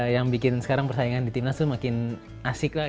yang bikin sekarang persaingan di timnas itu makin asik lah